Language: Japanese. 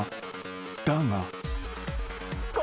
［だが］